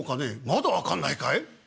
「まだ分かんないかい？